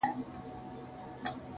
• گلي نن بيا راته راياده سولې.